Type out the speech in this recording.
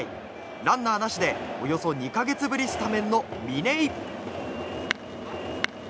ランナーなしでおよそ２か月ぶりスタメンの嶺井。